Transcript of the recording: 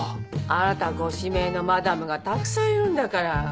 あなたご指名のマダムがたくさんいるんだから。